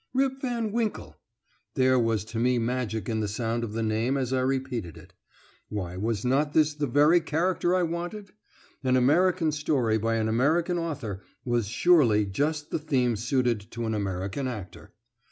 Rip Van Winkle! There was to me magic in the sound of the name as I repeated it. Why, was not this the very character I wanted? An Ameri can story by an American author was surely just the theme suited to an American actor.